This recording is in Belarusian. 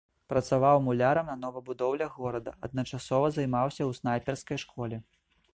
Працаваў мулярам на новабудоўлях горада, адначасова займаўся ў снайперскай школе.